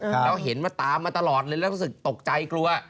แล้วเห็นมาตามมาตลอดเลยแล้วรู้สึกตกใจกลัว